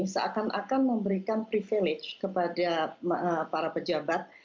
seakan akan memberikan privilege kepada para pejabat